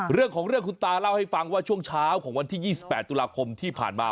เรื่องของเรื่องคุณตาเล่าให้ฟังว่าช่วงเช้าของวันที่๒๘ตุลาคมที่ผ่านมา